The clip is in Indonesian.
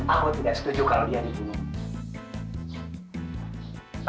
aku tidak setuju kalau dia dibunuh